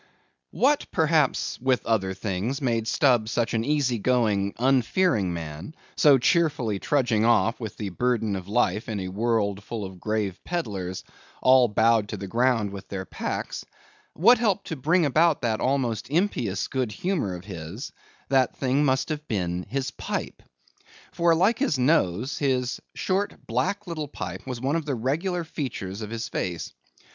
What, perhaps, with other things, made Stubb such an easy going, unfearing man, so cheerily trudging off with the burden of life in a world full of grave pedlars, all bowed to the ground with their packs; what helped to bring about that almost impious good humor of his; that thing must have been his pipe. For, like his nose, his short, black little pipe was one of the regular features of his face.